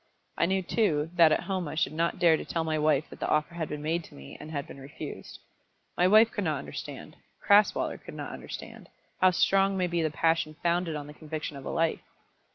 I knew, too, that at home I should not dare to tell my wife that the offer had been made to me and had been refused. My wife could not understand, Crasweller could not understand, how strong may be the passion founded on the conviction of a life.